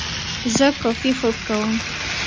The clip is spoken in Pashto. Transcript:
زه کافي خوب کوم.